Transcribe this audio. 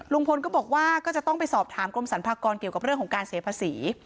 ลุงพลก็บอกว่าก็จะต้องไปสอบถามกรมสรรพากรเกี่ยวกับเรื่องของการเสียภาษี